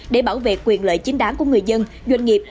để bảo vệ quyền lợi chính đáng của người dân doanh nghiệp